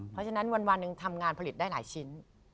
เพราะฉะนั้นวันหนึ่งทำงานผลิตได้หลายชิ้น